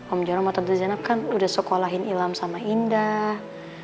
om jaromata dezenap kan udah sekolahin ilham sama indah